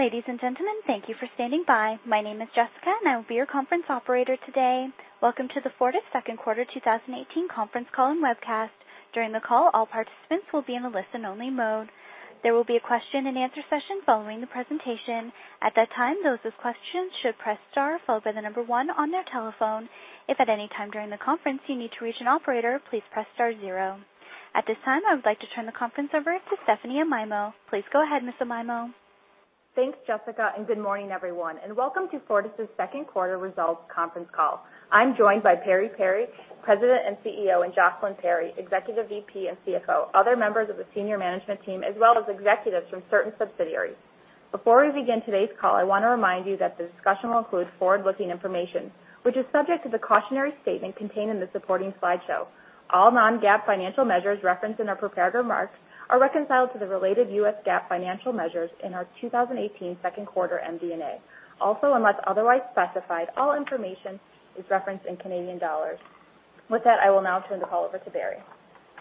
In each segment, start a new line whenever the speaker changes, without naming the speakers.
Ladies and gentlemen, thank you for standing by. My name is Jessica and I will be your conference operator today. Welcome to the Fortis Second Quarter 2018 conference call and webcast. During the call, all participants will be in a listen-only mode. There will be a question and answer session following the presentation. At that time, those with questions should press star followed by the number one on their telephone. If at any time during the conference you need to reach an operator, please press star zero. At this time, I would like to turn the conference over to Stephanie Amaimo. Please go ahead, Ms. Amaimo.
Thanks, Jessica. Good morning, everyone, welcome to Fortis' second quarter results conference call. I'm joined by Barry Perry, President and CEO, and Jocelyn Perry, Executive VP and CFO, other members of the senior management team, as well as executives from certain subsidiaries. Before we begin today's call, I want to remind you that the discussion will include forward-looking information, which is subject to the cautionary statement contained in the supporting slideshow. All non-GAAP financial measures referenced in our prepared remarks are reconciled to the related US GAAP financial measures in our 2018 second quarter MD&A. Unless otherwise specified, all information is referenced in Canadian dollars. With that, I will now turn the call over to Barry.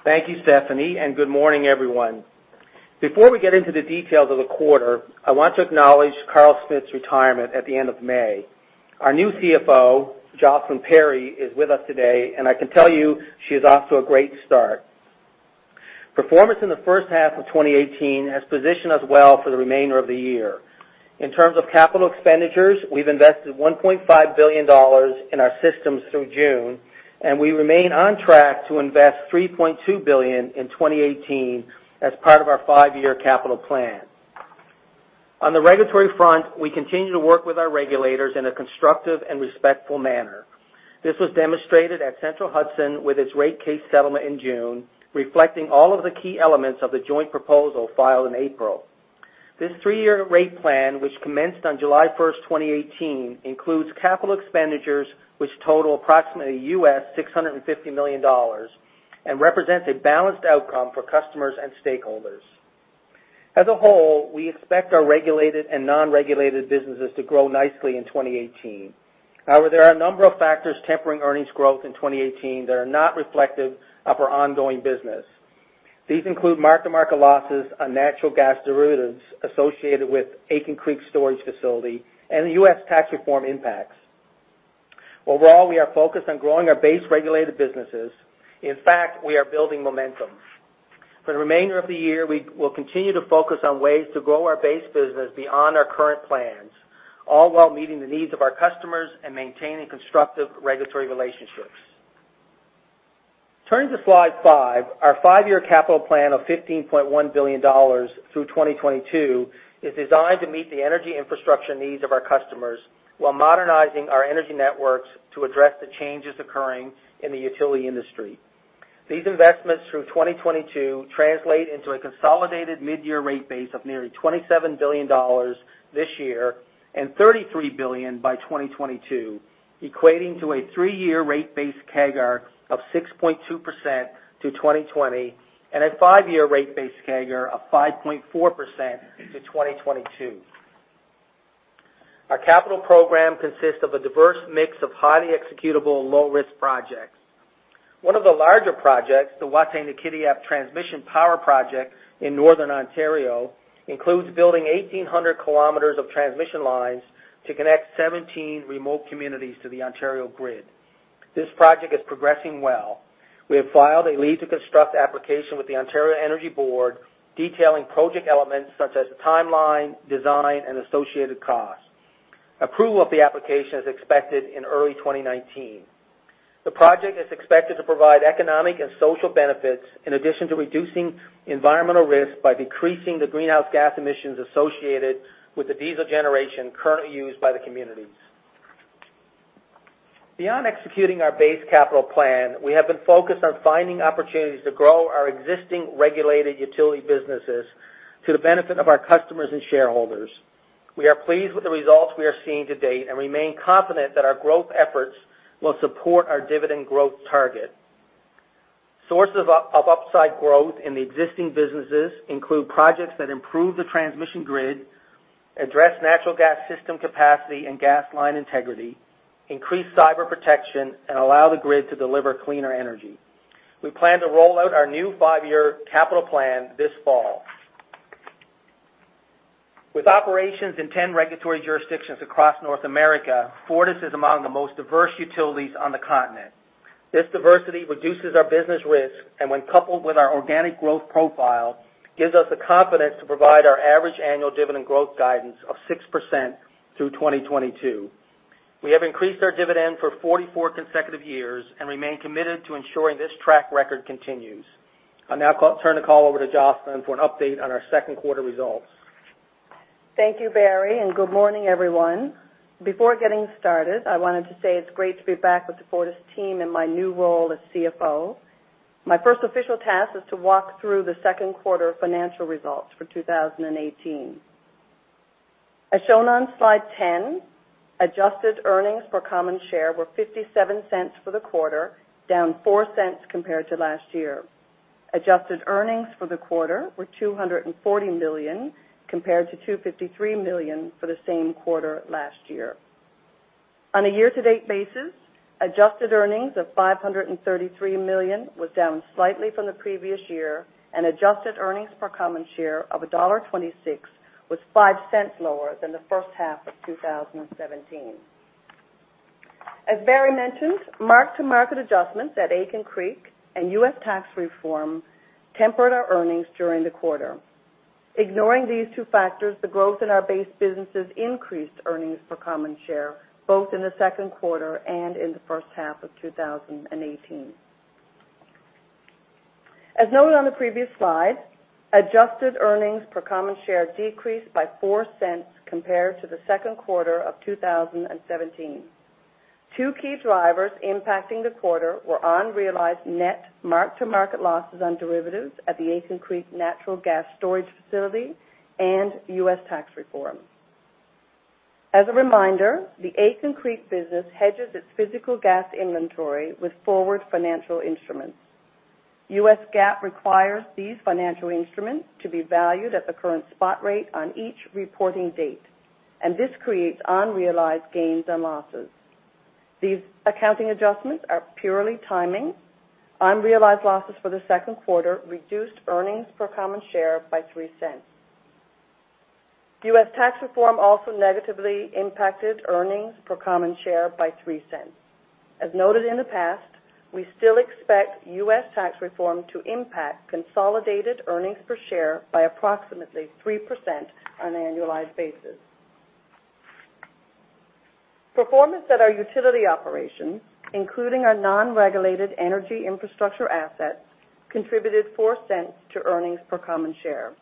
Thank you, Stephanie. Good morning, everyone. Before we get into the details of the quarter, I want to acknowledge Karl Smith's retirement at the end of May. Our new CFO, Jocelyn Perry, is with us today, I can tell you she is off to a great start. Performance in the first half of 2018 has positioned us well for the remainder of the year. In terms of capital expenditures, we've invested 1.5 billion dollars in our systems through June, we remain on track to invest 3.2 billion in 2018 as part of our five-year capital plan. On the regulatory front, we continue to work with our regulators in a constructive and respectful manner. This was demonstrated at Central Hudson with its rate case settlement in June, reflecting all of the key elements of the joint proposal filed in April. This three-year rate plan, which commenced on July 1st, 2018, includes capital expenditures which total approximately US $650 million and represents a balanced outcome for customers and stakeholders. As a whole, we expect our regulated and non-regulated businesses to grow nicely in 2018. However, there are a number of factors tempering earnings growth in 2018 that are not reflective of our ongoing business. These include mark-to-market losses on natural gas derivatives associated with Aitken Creek storage facility and the U.S. tax reform impacts. Overall, we are focused on growing our base-regulated businesses. In fact, we are building momentum. For the remainder of the year, we will continue to focus on ways to grow our base business beyond our current plans, all while meeting the needs of our customers and maintaining constructive regulatory relationships. Turning to slide five, our five-year capital plan of 15.1 billion dollars through 2022 is designed to meet the energy infrastructure needs of our customers while modernizing our energy networks to address the changes occurring in the utility industry. These investments through 2022 translate into a consolidated mid-year rate base of nearly 27 billion dollars this year and 33 billion by 2022, equating to a three-year rate base CAGR of 6.2% to 2020 and a five-year rate base CAGR of 5.4% to 2022. Our capital program consists of a diverse mix of highly executable, low-risk projects. One of the larger projects, the Wataynikaneyap Power project in northern Ontario, includes building 1,800 km of transmission lines to connect 17 remote communities to the Ontario grid. This project is progressing well. We have filed a leave to construct application with the Ontario Energy Board detailing project elements such as the timeline, design, and associated costs. Approval of the application is expected in early 2019. The project is expected to provide economic and social benefits in addition to reducing environmental risk by decreasing the greenhouse gas emissions associated with the diesel generation currently used by the communities. Beyond executing our base capital plan, we have been focused on finding opportunities to grow our existing regulated utility businesses to the benefit of our customers and shareholders. We are pleased with the results we are seeing to date and remain confident that our growth efforts will support our dividend growth target. Sources of upside growth in the existing businesses include projects that improve the transmission grid, address natural gas system capacity and gas line integrity, increase cyber protection, and allow the grid to deliver cleaner energy. We plan to roll out our new five-year capital plan this fall. With operations in 10 regulatory jurisdictions across North America, Fortis is among the most diverse utilities on the continent. This diversity reduces our business risk and when coupled with our organic growth profile, gives us the confidence to provide our average annual dividend growth guidance of 6% through 2022. We have increased our dividend for 44 consecutive years and remain committed to ensuring this track record continues. I'll now turn the call over to Jocelyn for an update on our second quarter results.
Thank you, Barry, and good morning, everyone. Before getting started, I wanted to say it's great to be back with the Fortis team in my new role as CFO. My first official task is to walk through the second quarter financial results for 2018. As shown on slide 10, adjusted earnings per common share were 0.57 for the quarter, down 0.04 compared to last year. Adjusted earnings for the quarter were 240 million, compared to 253 million for the same quarter last year. On a year-to-date basis, adjusted earnings of 533 million was down slightly from the previous year, and adjusted earnings per common share of dollar 1.26 was 0.05 lower than the first half of 2017. As Barry mentioned, mark-to-market adjustments at Aitken Creek and U.S. tax reform tempered our earnings during the quarter. Ignoring these two factors, the growth in our base businesses increased earnings per common share, both in the second quarter and in the first half of 2018. As noted on the previous slide, adjusted earnings per common share decreased by 0.04 compared to the second quarter of 2017. Two key drivers impacting the quarter were unrealized net mark-to-market losses on derivatives at the Aitken Creek Natural Gas Storage Facility and U.S. tax reform. As a reminder, the Aitken Creek business hedges its physical gas inventory with forward financial instruments. U.S. GAAP requires these financial instruments to be valued at the current spot rate on each reporting date, and this creates unrealized gains and losses. These accounting adjustments are purely timing. Unrealized losses for the second quarter reduced earnings per common share by 0.03. U.S. tax reform also negatively impacted earnings per common share by 0.03. As noted in the past, we still expect U.S. tax reform to impact consolidated earnings per share by approximately 3% on an annualized basis. Performance at our utility operations, including our non-regulated energy infrastructure assets, contributed 0.04 to earnings per common share.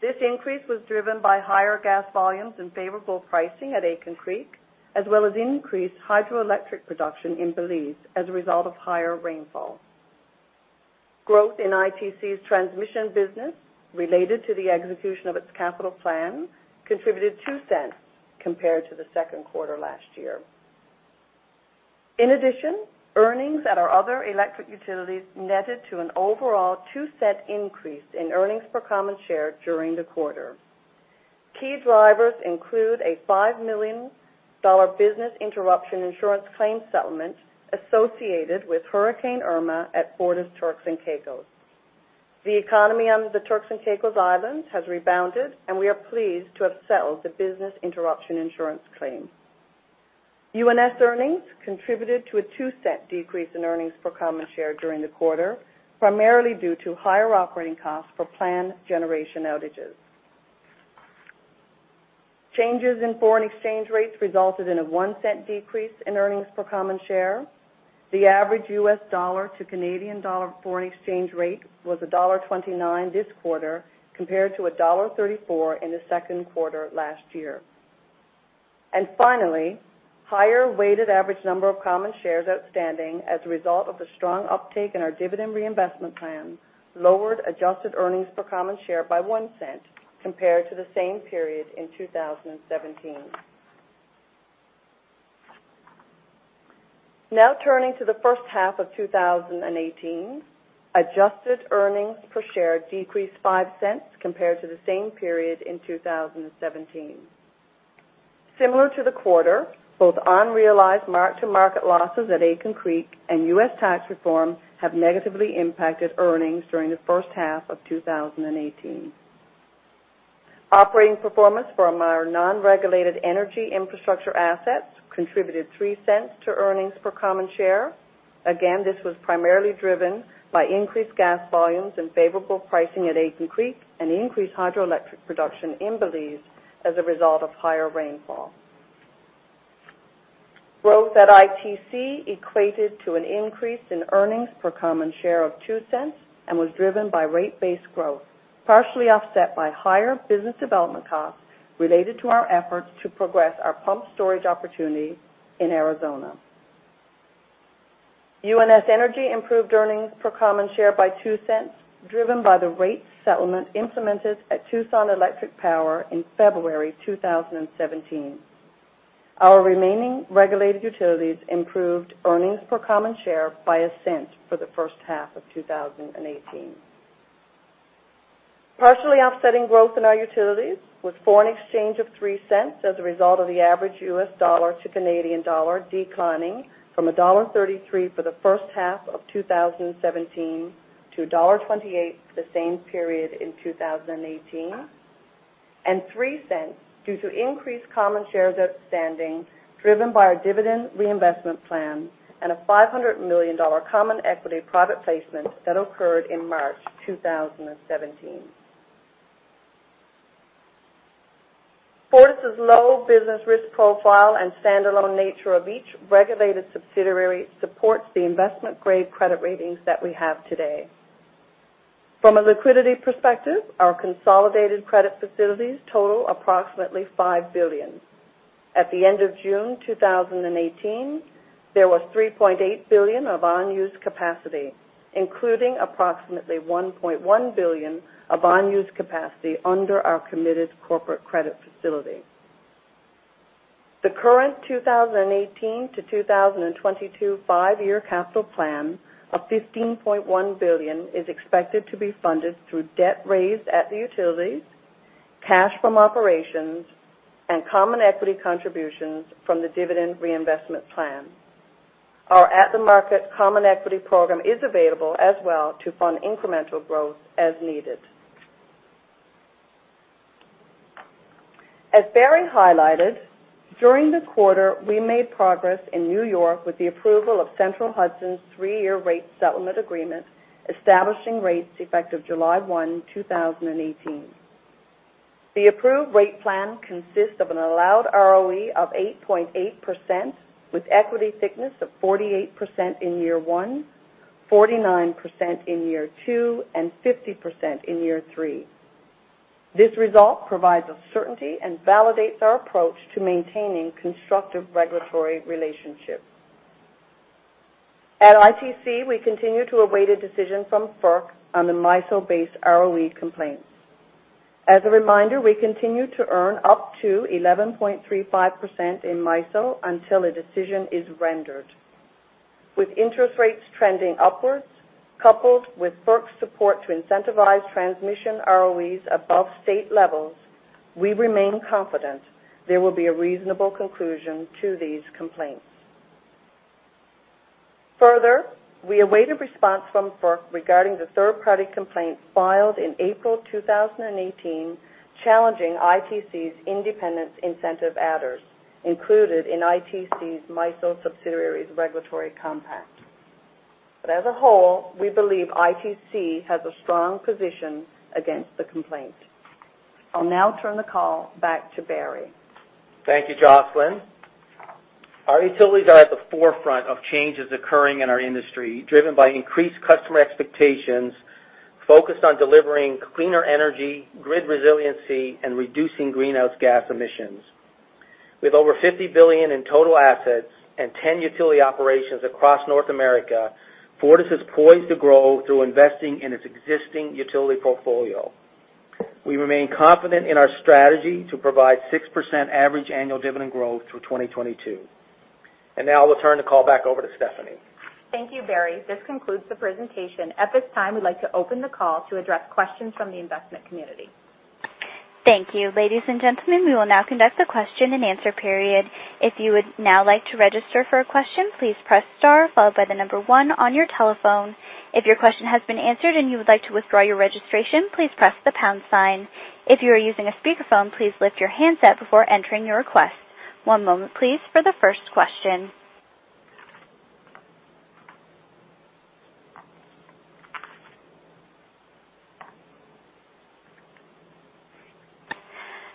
This increase was driven by higher gas volumes and favorable pricing at Aitken Creek, as well as increased hydroelectric production in Belize as a result of higher rainfall. Growth in ITC's transmission business related to the execution of its capital plan contributed 0.02 compared to the second quarter last year. In addition, earnings at our other electric utilities netted to an overall CAD 0.02 increase in earnings per common share during the quarter. Key drivers include a 5 million dollar business interruption insurance claim settlement associated with Hurricane Irma at FortisTCI. The economy on the Turks and Caicos Islands has rebounded. We are pleased to have settled the business interruption insurance claim. UNS earnings contributed to a CAD 0.02 decrease in earnings per common share during the quarter, primarily due to higher operating costs for planned generation outages. Changes in foreign exchange rates resulted in a 0.01 decrease in earnings per common share. The average U.S. dollar to Canadian dollar foreign exchange rate was dollar 1.29 this quarter, compared to dollar 1.34 in the second quarter last year. Finally, higher weighted average number of common shares outstanding as a result of the strong uptake in our dividend reinvestment plan lowered adjusted earnings per common share by 0.01 compared to the same period in 2017. Now turning to the first half of 2018. Adjusted earnings per share decreased 0.05 compared to the same period in 2017. Similar to the quarter, both unrealized mark-to-market losses at Aitken Creek and U.S. tax reform have negatively impacted earnings during the first half of 2018. Operating performance from our non-regulated energy infrastructure assets contributed 0.03 to earnings per common share. Again, this was primarily driven by increased gas volumes and favorable pricing at Aitken Creek and increased hydroelectric production in Belize as a result of higher rainfall. Growth at ITC equated to an increase in earnings per common share of 0.02 and was driven by rate-based growth, partially offset by higher business development costs related to our efforts to progress our pumped storage opportunity in Arizona. UNS Energy improved earnings per common share by 0.02, driven by the rate settlement implemented at Tucson Electric Power in February 2017. Our remaining regulated utilities improved earnings per common share by CAD 0.01 for the first half of 2018. Partially offsetting growth in our utilities was foreign exchange of 0.03 as a result of the average U.S. dollar to Canadian dollar declining from 1.33 dollar for the first half of 2017 to dollar 1.28 for the same period in 2018. Three cents due to increased common shares outstanding, driven by our dividend reinvestment plan and a 500 million dollar common equity private placement that occurred in March 2017. Fortis's low business risk profile and standalone nature of each regulated subsidiary supports the investment-grade credit ratings that we have today. From a liquidity perspective, our consolidated credit facilities total approximately 5 billion. At the end of June 2018, there was 3.8 billion of unused capacity, including approximately 1.1 billion of unused capacity under our committed corporate credit facility. The current 2018-2022 five-year capital plan of 15.1 billion is expected to be funded through debt raised at the utilities Cash from operations and common equity contributions from the dividend reinvestment plan. Our at-the-market common equity program is available as well to fund incremental growth as needed. As Barry highlighted, during the quarter, we made progress in New York with the approval of Central Hudson's three-year rate settlement agreement, establishing rates effective July 1, 2018. The approved rate plan consists of an allowed ROE of 8.8%, with equity thickness of 48% in year 1, 49% in year 2, and 50% in year 3. This result provides certainty and validates our approach to maintaining constructive regulatory relationships. At ITC, we continue to await a decision from FERC on the MISO base ROE complaints. As a reminder, we continue to earn up to 11.35% in MISO until a decision is rendered. With interest rates trending upwards, coupled with FERC's support to incentivize transmission ROEs above state levels, we remain confident there will be a reasonable conclusion to these complaints. Further, we await a response from FERC regarding the third-party complaint filed in April 2018, challenging ITC's independent incentive adders included in ITC's MISO subsidiaries regulatory compact. As a whole, we believe ITC has a strong position against the complaint. I'll now turn the call back to Barry.
Thank you, Jocelyn. Our utilities are at the forefront of changes occurring in our industry, driven by increased customer expectations, focused on delivering cleaner energy, grid resiliency, and reducing greenhouse gas emissions. With over 50 billion in total assets and 10 utility operations across North America, Fortis is poised to grow through investing in its existing utility portfolio. We remain confident in our strategy to provide 6% average annual dividend growth through 2022. Now I'll turn the call back over to Stephanie.
Thank you, Barry. This concludes the presentation. At this time, we'd like to open the call to address questions from the investment community.
Thank you. Ladies and gentlemen, we will now conduct the question and answer period. If you would now like to register for a question, please press star followed by the number one on your telephone. If your question has been answered and you would like to withdraw your registration, please press the pound sign. If you are using a speakerphone, please lift your handset before entering your request. One moment, please, for the first question.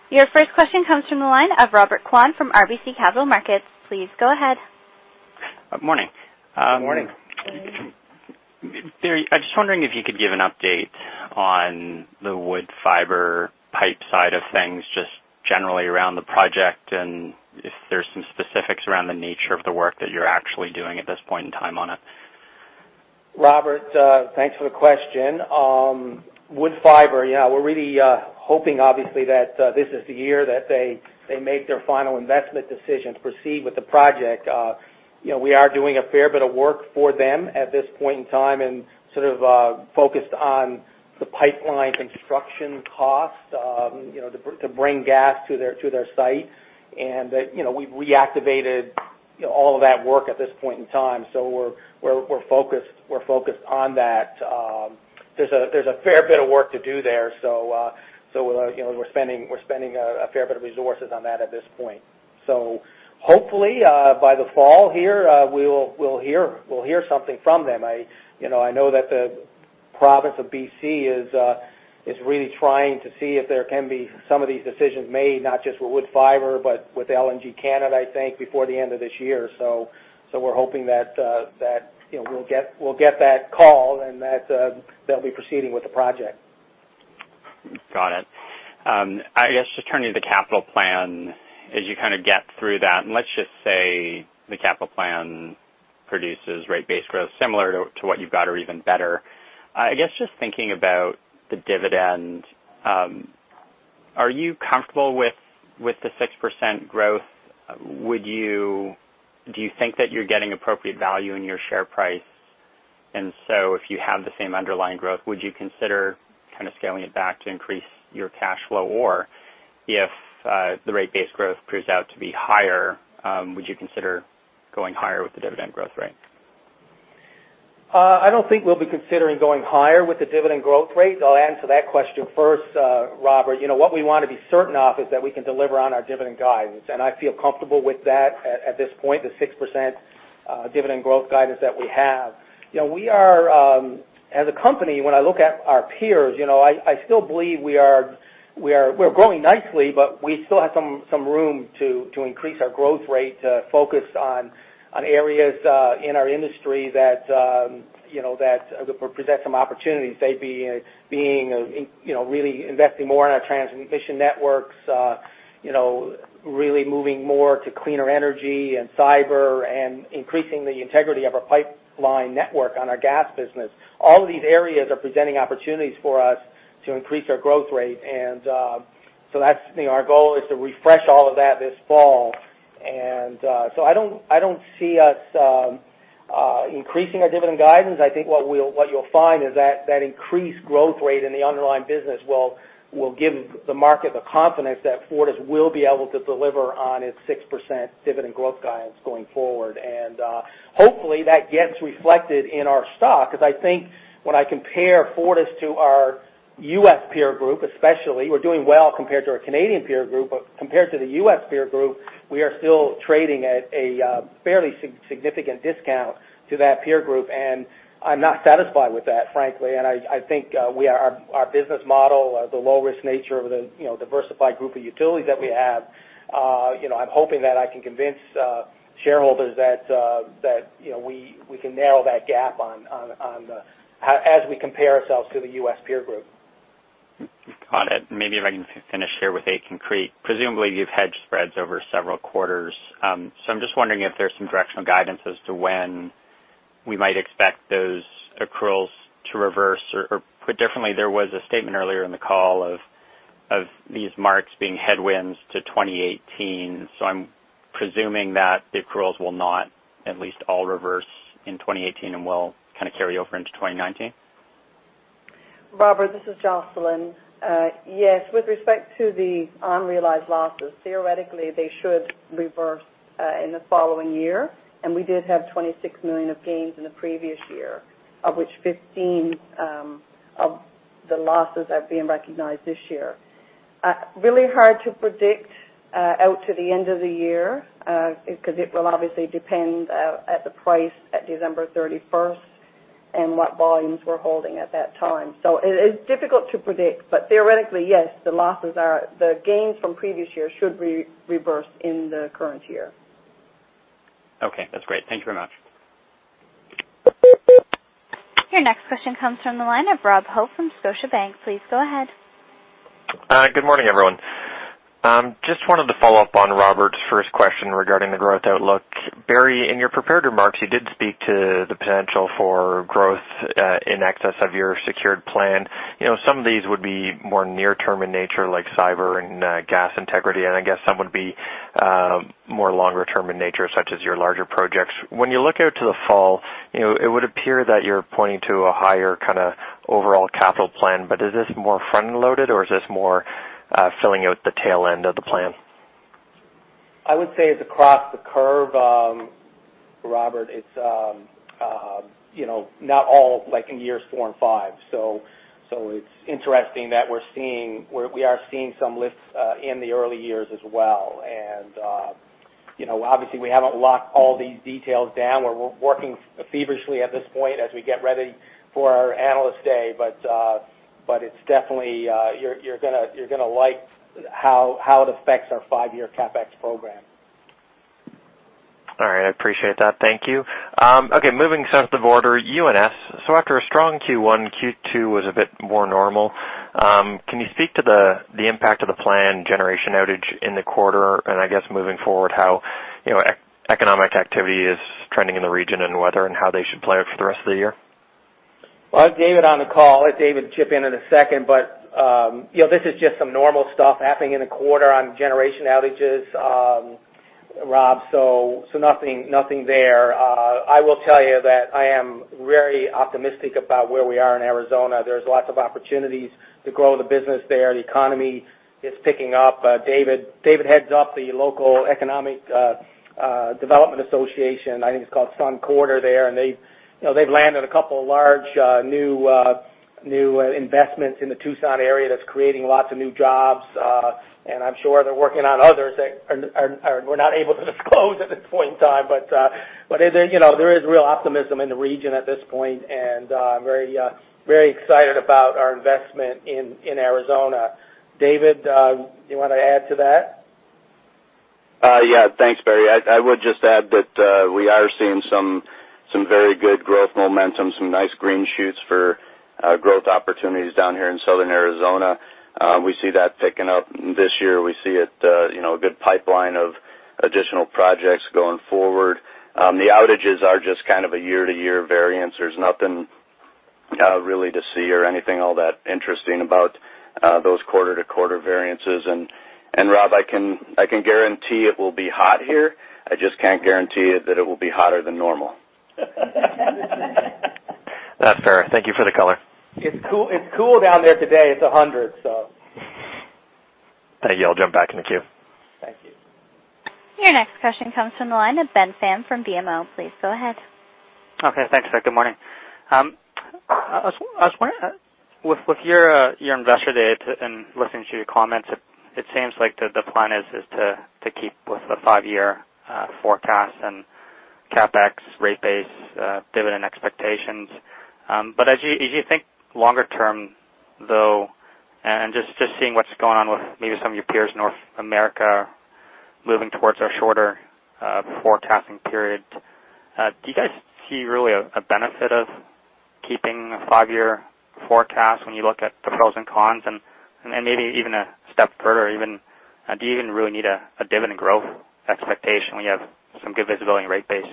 Your first question comes from the line of Robert Kwan from RBC Capital Markets. Please go ahead.
Morning.
Morning.
Barry, I'm just wondering if you could give an update on the Woodfibre pipe side of things, just generally around the project, and if there's some specifics around the nature of the work that you're actually doing at this point in time on it.
Robert, thanks for the question. Woodfibre LNG, yeah, we're really hoping, obviously, that this is the year that they make their final investment decision to proceed with the project. We are doing a fair bit of work for them at this point in time and sort of focused on the pipeline construction cost to bring gas to their site. We've reactivated all of that work at this point in time. We're focused on that. There's a fair bit of work to do there, so we're spending a fair bit of resources on that at this point. Hopefully, by the fall here, we'll hear something from them. I know that the province of B.C. is really trying to see if there can be some of these decisions made, not just with Woodfibre LNG, but with LNG Canada, I think, before the end of this year. We're hoping that we'll get that call and that they'll be proceeding with the project.
Got it. I guess just turning to the capital plan as you kind of get through that, and let's just say the capital plan produces rate base growth similar to what you've got or even better. I guess just thinking about the dividend, are you comfortable with the 6% growth? Do you think that you're getting appropriate value in your share price? If you have the same underlying growth, would you consider kind of scaling it back to increase your cash flow? If the rate base growth proves out to be higher, would you consider going higher with the dividend growth rate?
I don't think we'll be considering going higher with the dividend growth rate. I'll answer that question first, Robert. What we want to be certain of is that we can deliver on our dividend guidance, and I feel comfortable with that at this point, the 6% dividend growth guidance that we have. As a company, when I look at our peers, I still believe we're growing nicely, but we still have some room to increase our growth rate to focus on areas in our industry that present some opportunities. They being really investing more in our transmission networks, really moving more to cleaner energy and cyber and increasing the integrity of our pipeline network on our gas business. All of these areas are presenting opportunities for us to increase our growth rate, and so that's our goal is to refresh all of that this fall. I don't see us increasing our dividend guidance, I think what you'll find is that increased growth rate in the underlying business will give the market the confidence that Fortis will be able to deliver on its 6% dividend growth guidance going forward. Hopefully, that gets reflected in our stock, because I think when I compare Fortis to our U.S. peer group, especially, we're doing well compared to our Canadian peer group. Compared to the U.S. peer group, we are still trading at a fairly significant discount to that peer group, and I'm not satisfied with that, frankly. I think our business model, the low-risk nature of the diversified group of utilities that we have, I'm hoping that I can convince shareholders that we can narrow that gap as we compare ourselves to the U.S. peer group.
Got it. Maybe if I can finish here with Aitken Creek. Presumably, you've hedged spreads over several quarters. I'm just wondering if there's some directional guidance as to when we might expect those accruals to reverse. Put differently, there was a statement earlier in the call of these marks being headwinds to 2018, I'm presuming that the accruals will not at least all reverse in 2018 and will kind of carry over into 2019.
Robert, this is Jocelyn. Yes, with respect to the unrealized losses, theoretically, they should reverse in the following year. We did have 26 million of gains in the previous year, of which 15 of the losses are being recognized this year. Really hard to predict out to the end of the year, because it will obviously depend at the price at December 31st and what volumes we're holding at that time. It is difficult to predict, but theoretically, yes, the gains from previous years should reverse in the current year.
Okay. That's great. Thank you very much.
Your next question comes from the line of Rob Hope from Scotiabank. Please go ahead.
Good morning, everyone. Just wanted to follow up on Robert's first question regarding the growth outlook. Barry, in your prepared remarks, you did speak to the potential for growth in excess of your secured plan. Some of these would be more near-term in nature, like cyber and gas integrity, and I guess some would be more longer-term in nature, such as your larger projects. When you look out to the fall, it would appear that you're pointing to a higher kind of overall capital plan. Is this more front-loaded, or is this more filling out the tail end of the plan?
I would say it's across the curve, Robert. It is not all in years four and five. It is interesting that we are seeing some lifts in the early years as well. Obviously, we haven't locked all these details down. We're working feverishly at this point as we get ready for our Analyst Day, but you're going to like how it affects our five-year CapEx program.
All right. I appreciate that. Thank you. Okay, moving south of the border, UNS. After a strong Q1, Q2 was a bit more normal. Can you speak to the impact of the planned generation outage in the quarter? I guess, moving forward, how economic activity is trending in the region, and whether and how they should play out for the rest of the year?
Well, I have David on the call. I'll let David chip in in a second. This is just some normal stuff happening in a quarter on generation outages, Rob. Nothing there. I will tell you that I am very optimistic about where we are in Arizona. There's lots of opportunities to grow the business there. The economy is picking up. David heads up the local economic development association. I think it's called Sun Corridor there, and they've landed a couple of large new investments in the Tucson area that's creating lots of new jobs. I'm sure they're working on others that we're not able to disclose at this point in time. There is real optimism in the region at this point, and I'm very excited about our investment in Arizona. David, do you want to add to that?
Yeah. Thanks, Barry. I would just add that we are seeing some very good growth momentum, some nice green shoots for growth opportunities down here in Southern Arizona. We see that picking up this year. We see a good pipeline of additional projects going forward. The outages are just kind of a year-to-year variance. There is nothing really to see or anything all that interesting about those quarter-to-quarter variances. Rob, I can guarantee it will be hot here. I just can't guarantee that it will be hotter than normal.
That's fair. Thank you for the color.
It's cool down there today. It's 100.
Thank you. I'll jump back in the queue.
Thank you.
Your next question comes from the line of Ben Pham from BMO. Please go ahead.
Okay, thanks. Good morning. I was wondering, with your Investor Day and listening to your comments, it seems like the plan is to keep with the five-year forecast and CapEx rate base dividend expectations. As you think longer term, though, and just seeing what's going on with maybe some of your peers in North America moving towards a shorter forecasting period, do you guys see really a benefit of keeping a five-year forecast when you look at the pros and cons? Maybe even a step further, do you even really need a dividend growth expectation when you have some good visibility in rate base?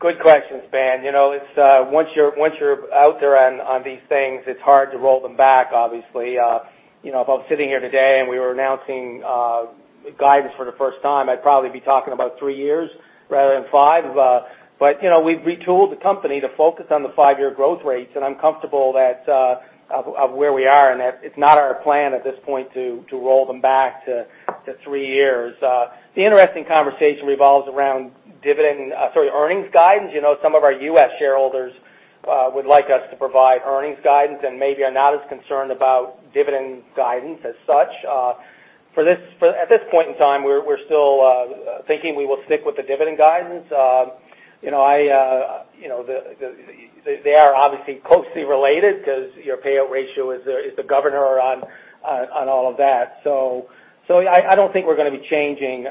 Good questions, Ben. Once you're out there on these things, it's hard to roll them back, obviously. If I was sitting here today and we were announcing guidance for the first time, I'd probably be talking about three years rather than five. We've retooled the company to focus on the five-year growth rates, and I'm comfortable of where we are, and it's not our plan at this point to roll them back to three years. The interesting conversation revolves around earnings guidance. Some of our U.S. shareholders would like us to provide earnings guidance and maybe are not as concerned about dividend guidance as such. At this point in time, we're still thinking we will stick with the dividend guidance. They are obviously closely related because your payout ratio is the governor on all of that. I don't think we're going to be changing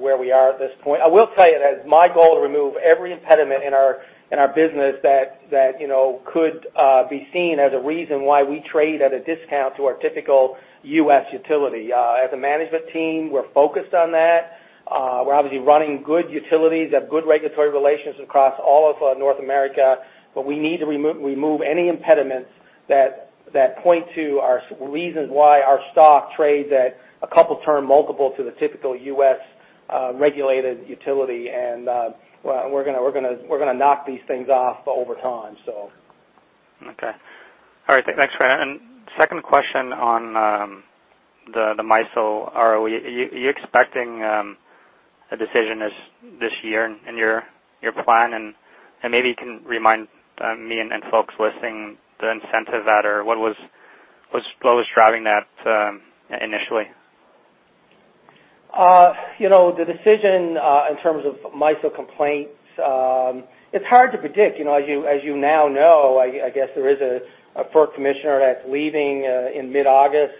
where we are at this point. I will tell you that it is my goal to remove every impediment in our business that could be seen as a reason why we trade at a discount to our typical U.S. utility. As a management team, we're focused on that. We're obviously running good utilities, have good regulatory relations across all of North America, but we need to remove any impediments that point to our reasons why our stock trades at a couple term multiple to the typical U.S. regulated utility. We're going to knock these things off over time.
Okay. All right. Thanks for that. Second question on the MISO ROE. Are you expecting a decision this year in your plan? Maybe you can remind me and folks listening the incentive adder, what was driving that initially?
The decision in terms of MISO complaints, it's hard to predict. As you now know, I guess there is a FERC commissioner that's leaving in mid-August.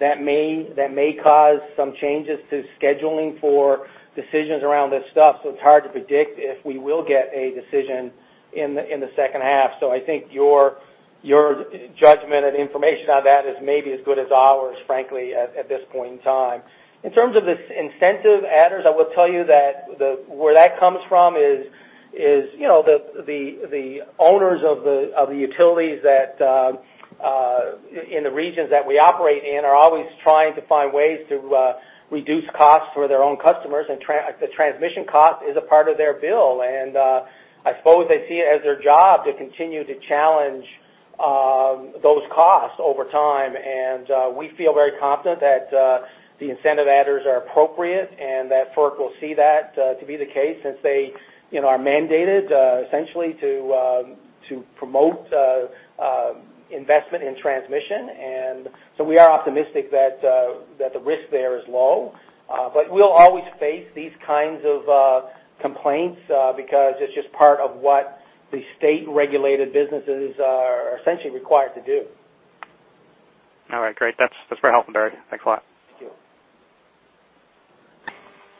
That may cause some changes to scheduling for decisions around this stuff. It's hard to predict if we will get a decision in the second half. I think your judgment and information on that is maybe as good as ours, frankly, at this point in time. In terms of this incentive adders, I will tell you that where that comes from is the owners of the utilities in the regions that we operate in are always trying to find ways to reduce costs for their own customers, and the transmission cost is a part of their bill. I suppose they see it as their job to continue to challenge those costs over time. We feel very confident that the incentive adders are appropriate and that FERC will see that to be the case since they are mandated, essentially, to promote investment in transmission. We are optimistic that the risk there is low. We'll always face these kinds of complaints because it's just part of what the state-regulated businesses are essentially required to do.
All right. Great. That's very helpful, Barry. Thanks a lot.
Thank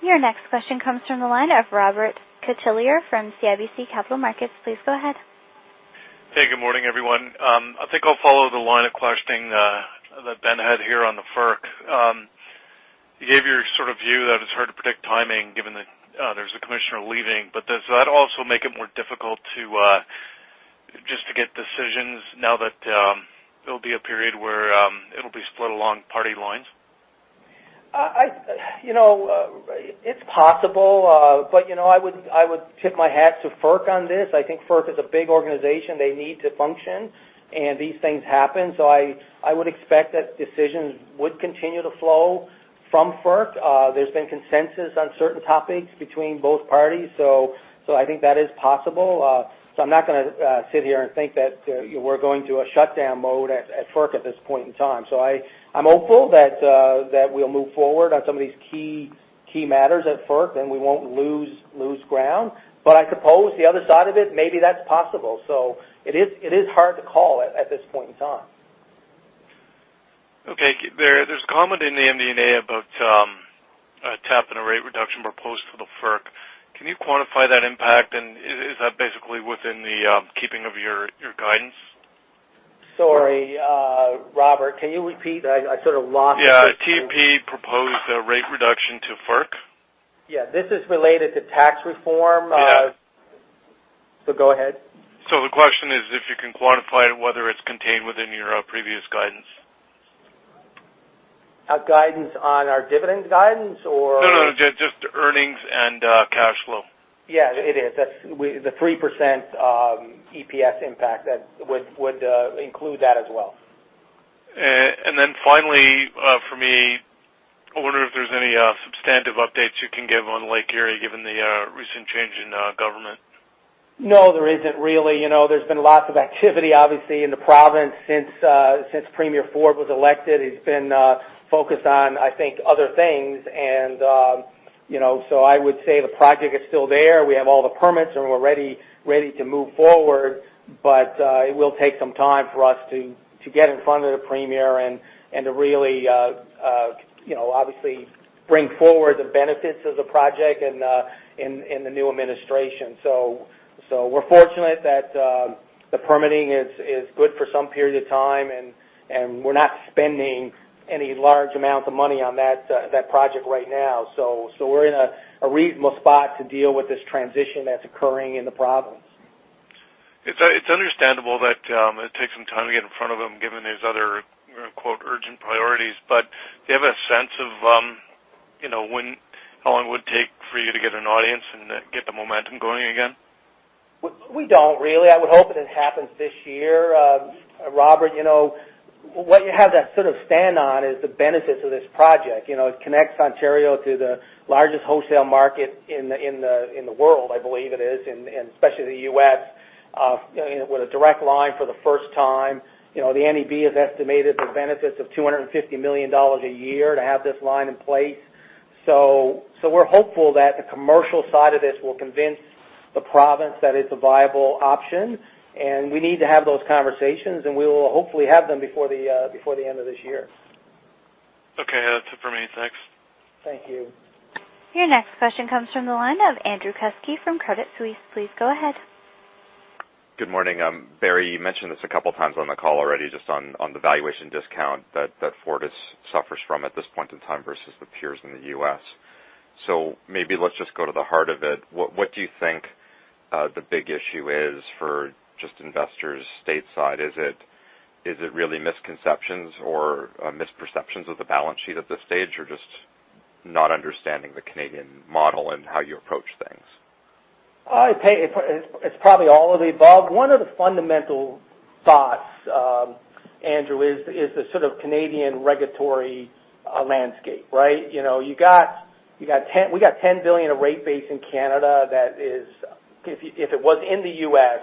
you.
Your next question comes from the line of Robert Catellier from CIBC Capital Markets. Please go ahead.
Hey, good morning, everyone. I think I'll follow the line of questioning that Ben had here on the FERC. You gave your sort of view that it's hard to predict timing given that there's a commissioner leaving. Does that also make it more difficult just to get decisions now that there'll be a period where it'll be split along party lines?
It's possible. I would tip my hat to FERC on this. I think FERC is a big organization. They need to function. These things happen. I would expect that decisions would continue to flow from FERC. There's been consensus on certain topics between both parties. I think that is possible. I'm not going to sit here and think that we're going to a shutdown mode at FERC at this point in time. I'm hopeful that we'll move forward on some of these key matters at FERC, and we won't lose ground. I suppose the other side of it, maybe that's possible. It is hard to call at this point in time.
Okay. There's a comment in the MD&A about TAPP and a rate reduction proposed to the FERC. Can you quantify that impact? Is that basically within the keeping of your guidance?
Sorry. Robert, can you repeat? I sort of lost you.
Yeah. TAPP proposed a rate reduction to FERC.
Yeah. This is related to tax reform.
Yeah.
Go ahead.
The question is if you can quantify it, whether it's contained within your previous guidance.
A guidance on our dividend guidance or.
No, just earnings and cash flow.
Yeah, it is. The 3% EPS impact, that would include that as well.
Finally, for me, I wonder if there's any substantive updates you can give on Lake Erie given the recent change in government.
No, there isn't really. There's been lots of activity, obviously, in the province since Doug Ford was elected. He's been focused on, I think, other things. I would say the project is still there. We have all the permits, and we're ready to move forward. It will take some time for us to get in front of the Premier and to really, obviously, bring forward the benefits of the project in the new administration. We're fortunate that the permitting is good for some period of time, and we're not spending any large amounts of money on that project right now. We're in a reasonable spot to deal with this transition that's occurring in the province.
It's understandable that it takes some time to get in front of him, given his other "urgent priorities." Do you have a sense of how long it would take for you to get an audience and get the momentum going again?
We don't really. I would hope that it happens this year, Robert. What you have that sort of stand on is the benefits of this project. It connects Ontario to the largest wholesale market in the world, I believe it is, and especially the U.S., with a direct line for the first time. The NEB has estimated the benefits of 250 million dollars a year to have this line in place. We're hopeful that the commercial side of this will convince the province that it's a viable option, and we need to have those conversations, and we will hopefully have them before the end of this year.
Okay. That's it for me. Thanks.
Thank you.
Your next question comes from the line of Andrew Kuske from Credit Suisse. Please go ahead.
Good morning. Barry, you mentioned this a couple of times on the call already, just on the valuation discount that Fortis suffers from at this point in time versus the peers in the U.S. Maybe let's just go to the heart of it. What do you think the big issue is for just investors stateside? Is it really misconceptions or misperceptions of the balance sheet at this stage, or just not understanding the Canadian model and how you approach things?
I'd say it's probably all of the above. One of the fundamental thoughts, Andrew, is the sort of Canadian regulatory landscape, right? We got 10 billion of rate base in Canada that is, if it was in the U.S.,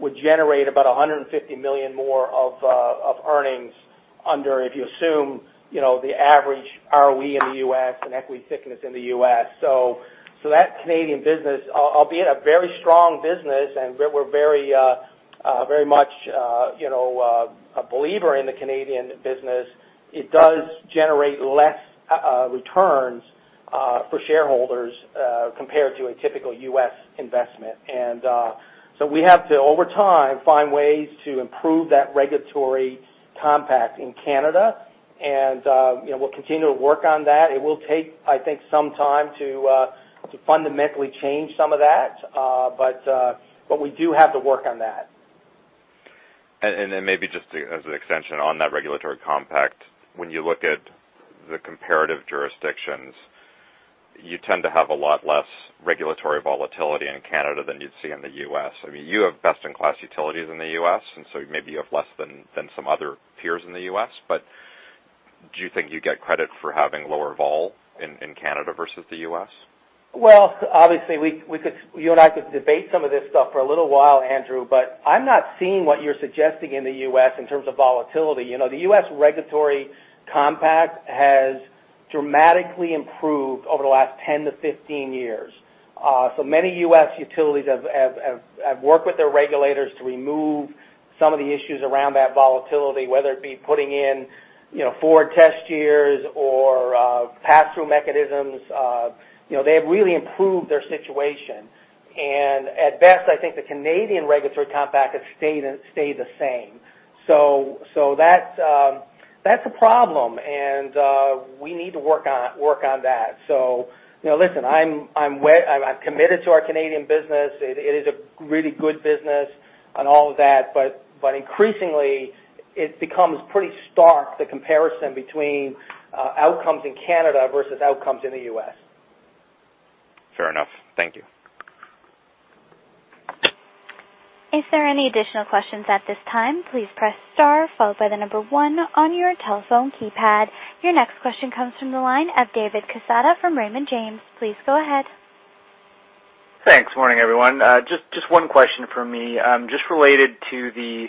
would generate about 150 million more of earnings under, if you assume, the average ROE in the U.S. and equity thickness in the U.S. That Canadian business, albeit a very strong business, and we're very much a believer in the Canadian business, it does generate less returns for shareholders compared to a typical U.S. investment. We have to, over time, find ways to improve that regulatory compact in Canada, and we'll continue to work on that. It will take, I think, some time to fundamentally change some of that. We do have to work on that.
Maybe just as an extension on that regulatory compact, when you look at the comparative jurisdictions, you tend to have a lot less regulatory volatility in Canada than you'd see in the U.S. I mean, you have best-in-class utilities in the U.S., maybe you have less than some other peers in the U.S., do you think you get credit for having lower vol in Canada versus the U.S.?
Obviously, you and I could debate some of this stuff for a little while, Andrew, but I'm not seeing what you're suggesting in the U.S. in terms of volatility. The U.S. regulatory compact has dramatically improved over the last 10 to 15 years. Many U.S. utilities have worked with their regulators to remove some of the issues around that volatility, whether it be putting in four test years or pass-through mechanisms. They have really improved their situation. At best, I think the Canadian regulatory compact has stayed the same. That's a problem, and we need to work on that. Listen, I'm committed to our Canadian business. It is a really good business and all of that, but increasingly, it becomes pretty stark, the comparison between outcomes in Canada versus outcomes in the U.S.
Fair enough. Thank you.
Is there any additional questions at this time? Please press star followed by the number one on your telephone keypad. Your next question comes from the line of David Casada from Raymond James. Please go ahead.
Thanks. Morning, everyone. Just one question from me. Just related to the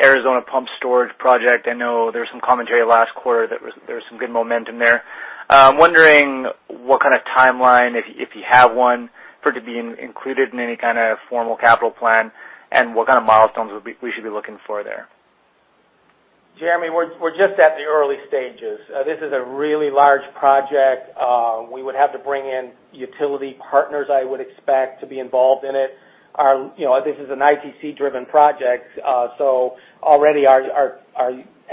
Arizona pumped storage project. I know there was some commentary last quarter that there was some good momentum there. I'm wondering what kind of timeline, if you have one, for it to be included in any kind of formal capital plan, and what kind of milestones we should be looking for there.
Jeremy, we're just at the early stages. This is a really large project. We would have to bring in utility partners I would expect to be involved in it. This is an ITC-driven project, so already our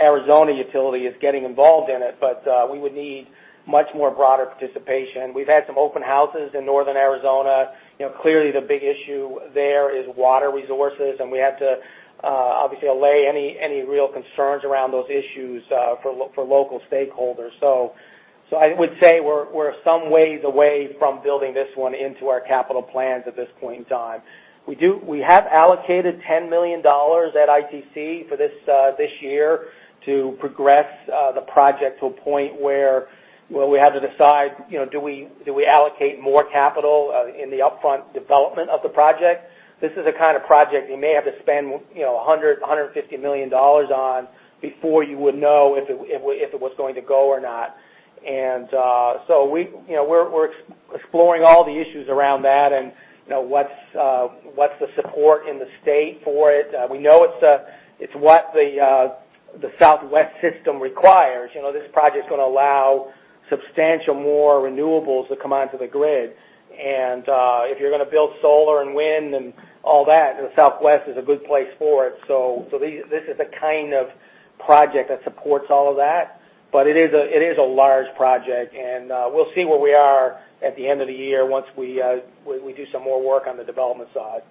Arizona utility is getting involved in it, but we would need much more broader participation. We've had some open houses in Northern Arizona. Clearly, the big issue there is water resources, and we have to obviously allay any real concerns around those issues for local stakeholders. I would say we're some ways away from building this one into our capital plans at this point in time. We have allocated $10 million at ITC for this year to progress the project to a point where we have to decide, do we allocate more capital in the upfront development of the project? This is the kind of project you may have to spend $100 million, $150 million on before you would know if it was going to go or not. We're exploring all the issues around that and what's the support in the state for it. We know it's what the Southwest system requires. This project's going to allow substantial more renewables to come onto the grid. If you're going to build solar and wind and all that, the Southwest is a good place for it. This is the kind of project that supports all of that. It is a large project, and we'll see where we are at the end of the year once we do some more work on the development side.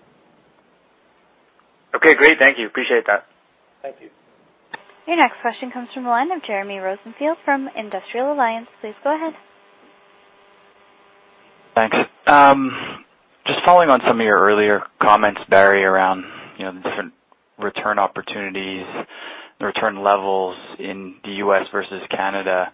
Okay, great. Thank you. Appreciate that.
Thank you.
Your next question comes from the line of Jeremy Rosenfeld from Industrial Alliance. Please go ahead.
Thanks. Just following on some of your earlier comments, Barry, around the different return opportunities, the return levels in the U.S. versus Canada.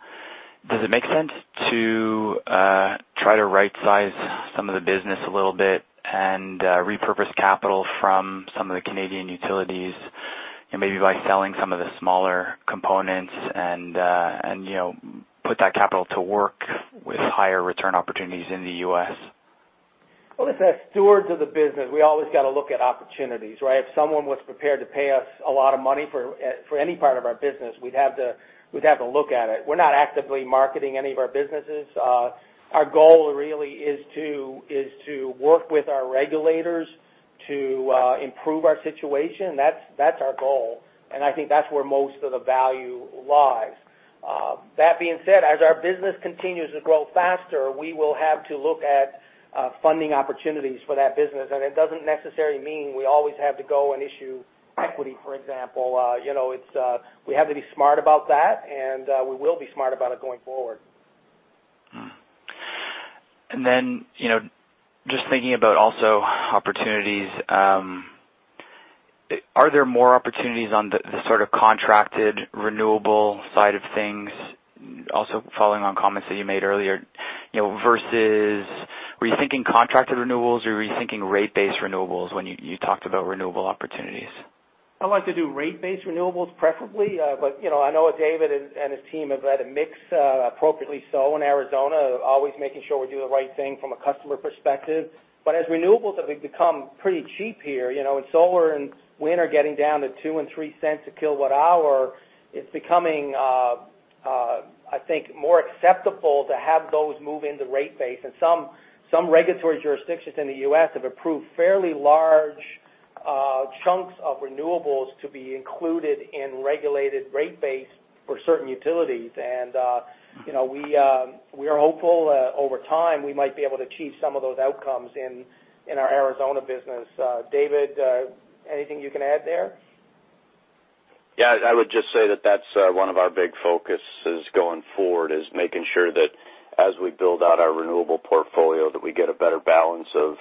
Does it make sense to try to right-size some of the business a little bit and repurpose capital from some of the Canadian utilities, maybe by selling some of the smaller components and put that capital to work with higher return opportunities in the U.S.?
As the stewards of the business, we always got to look at opportunities, right? If someone was prepared to pay us a lot of money for any part of our business, we'd have to look at it. We're not actively marketing any of our businesses. Our goal really is to work with our regulators to improve our situation. That's our goal, and I think that's where most of the value lies. That being said, as our business continues to grow faster, we will have to look at funding opportunities for that business, and it doesn't necessarily mean we always have to go and issue equity, for example. We have to be smart about that, and we will be smart about it going forward.
Just thinking about also opportunities. Are there more opportunities on the sort of contracted renewable side of things, also following on comments that you made earlier, versus were you thinking contracted renewables, or were you thinking rate-based renewables when you talked about renewable opportunities?
I like to do rate-based renewables preferably. I know David and his team have had a mix, appropriately so, in Arizona, always making sure we do the right thing from a customer perspective. As renewables have become pretty cheap here, and solar and wind are getting down to $0.02 and $0.03 a kilowatt hour, it's becoming, I think, more acceptable to have those move into rate base. Some regulatory jurisdictions in the U.S. have approved fairly large chunks of renewables to be included in regulated rate base for certain utilities. We are hopeful, over time, we might be able to achieve some of those outcomes in our Arizona business. David, anything you can add there?
I would just say that that's one of our big focuses going forward, is making sure that as we build out our renewable portfolio, that we get a better balance of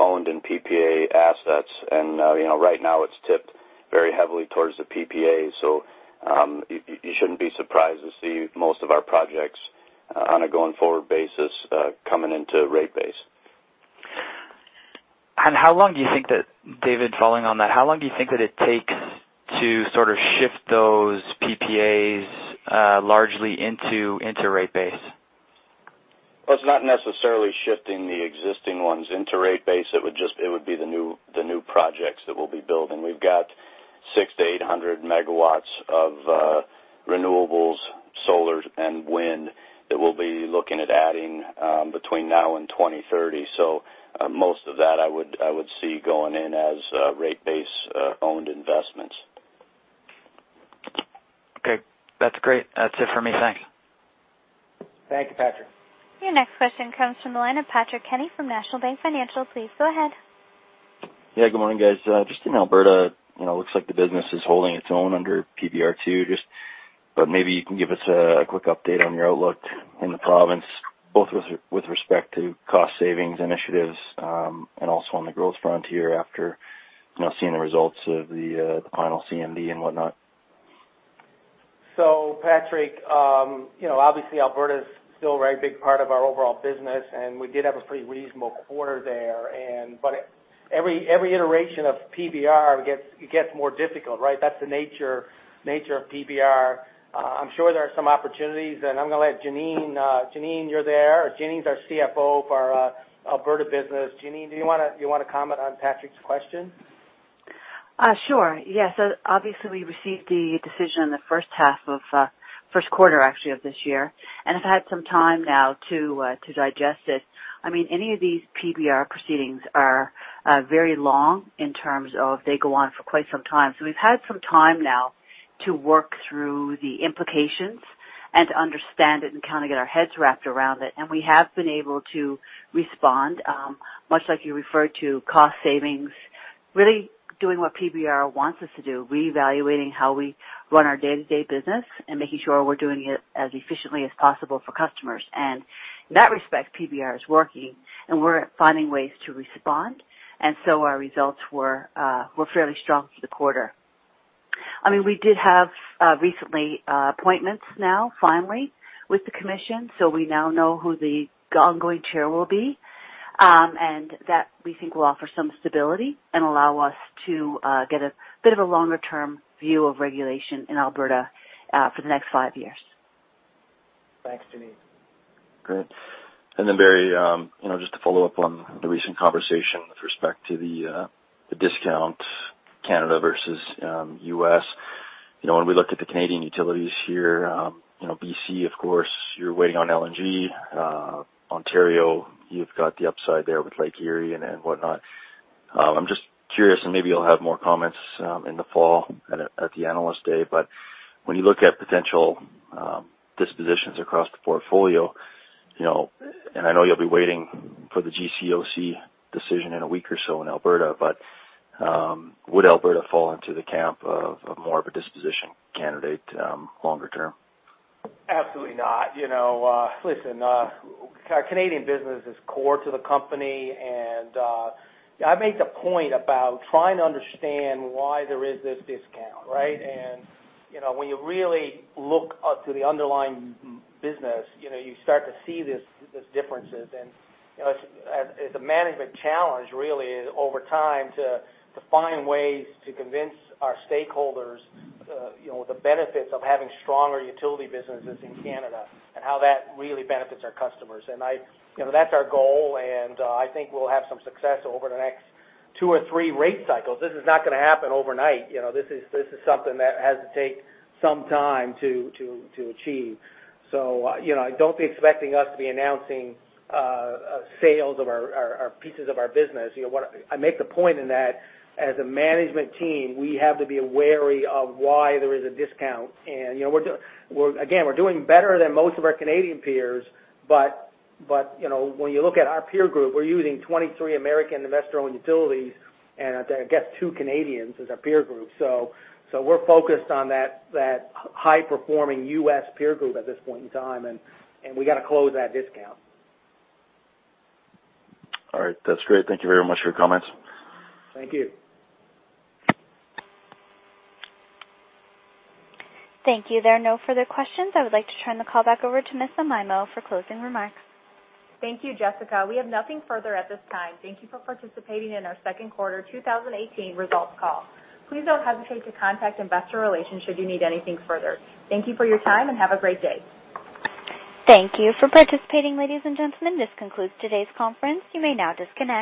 owned and PPA assets. Right now, it's tipped very heavily towards the PPAs. You shouldn't be surprised to see most of our projects on a going-forward basis coming into rate base.
How long do you think that, David, following on that, how long do you think that it takes to sort of shift those PPAs largely into rate base?
Well, it's not necessarily shifting the existing ones into rate base. It would be the new projects that we'll be building. We've got 600-800 megawatts of renewables, solar, and wind that we'll be looking at adding between now and 2030. Most of that I would see going in as rate base-owned investments.
Okay. That's great. That's it for me. Thanks.
Thank you, Patrick.
Your next question comes from the line of Patrick Kenny from National Bank Financial. Please go ahead.
Yeah, good morning, guys. In Alberta, looks like the business is holding its own under PBR2. Maybe you can give us a quick update on your outlook in the province, both with respect to cost savings initiatives, and also on the growth frontier after seeing the results of the final CME and whatnot.
Patrick, obviously Alberta's still a very big part of our overall business, and we did have a pretty reasonable quarter there. Every iteration of PBR, it gets more difficult, right? That's the nature of PBR. I'm sure there are some opportunities, and I'm going to let Janine. Janine, you're there. Janine's our CFO for our Alberta business. Janine, do you want to comment on Patrick's question?
Sure. Yeah. Obviously, we received the decision in the first quarter, actually, of this year, and have had some time now to digest it. Any of these PBR proceedings are very long in terms of they go on for quite some time. We've had some time now to work through the implications and to understand it and kind of get our heads wrapped around it. We have been able to respond, much like you referred to cost savings, really doing what PBR wants us to do, reevaluating how we run our day-to-day business and making sure we're doing it as efficiently as possible for customers. In that respect, PBR is working, and we're finding ways to respond. Our results were fairly strong for the quarter. We did have recently appointments now, finally, with the commission. We now know who the ongoing chair will be. That, we think, will offer some stability and allow us to get a bit of a longer-term view of regulation in Alberta for the next five years.
Thanks, Janine.
Great. Barry, just to follow up on the recent conversation with respect to the discount Canada versus U.S. When we looked at the Canadian utilities here, B.C., of course, you're waiting on LNG. Ontario, you've got the upside there with Lake Erie and whatnot. I'm just curious, maybe you'll have more comments in the fall at the Analyst Day, but when you look at potential dispositions across the portfolio, and I know you'll be waiting for the GCOC decision in a week or so in Alberta, but would Alberta fall into the camp of more of a disposition candidate longer term?
Absolutely not. Listen, our Canadian business is core to the company. I make the point about trying to understand why there is this discount, right? When you really look to the underlying business, you start to see these differences. It's a management challenge, really, over time, to find ways to convince our stakeholders the benefits of having stronger utility businesses in Canada and how that really benefits our customers. That's our goal, and I think we'll have some success over the next two or three rate cycles. This is not going to happen overnight. This is something that has to take some time to achieve. Don't be expecting us to be announcing sales of our pieces of our business. I make the point in that, as a management team, we have to be wary of why there is a discount. Again, we're doing better than most of our Canadian peers, when you look at our peer group, we're using 23 American investor-owned utilities and, I guess, two Canadians as our peer group. We're focused on that high-performing U.S. peer group at this point in time, we got to close that discount.
All right. That's great. Thank you very much for your comments.
Thank you.
Thank you. There are no further questions. I would like to turn the call back over to Miss Amaimo for closing remarks.
Thank you, Jessica. We have nothing further at this time. Thank you for participating in our second quarter 2018 results call. Please don't hesitate to contact investor relations should you need anything further. Thank you for your time, and have a great day.
Thank you for participating, ladies and gentlemen. This concludes today's conference. You may now disconnect.